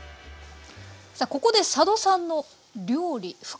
さあここで佐渡さんの料理深掘り